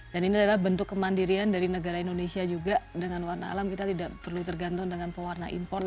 dan ini adalah bentuk kemandirian dari negara indonesia juga dengan warna alam kita tidak perlu tergantung dengan pewarna import